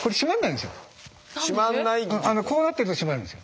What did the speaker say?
こうなってると絞まるんですよ。